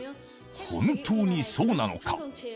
本当にそうなのか。